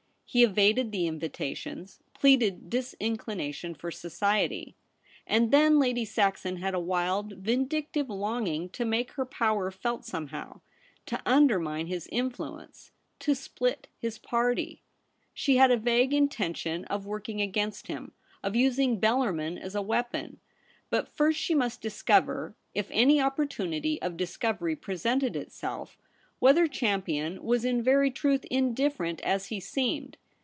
He evaded the invitations, pleaded disinclination for society. And then Lady Saxon had a wild, vindictive longing to make her power felt somehow ; to undermine his influence ; to split his party. She had a vague intention of working against him — of using Bellarmin as a weapon. But first she must discover, if any opportunity of discovery presented itself, whether Champion was in ROLFE BELLARMIN. 213 very truth indifferent as he seemed.